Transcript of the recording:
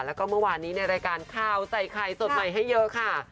แล้วก็เมื่อวานนี้ในรายการข่าวใส่ไข่สดใหม่ให้เยอะค่ะ